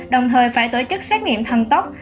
đồng thời phải tổ chức xét nghiệm thăng tốc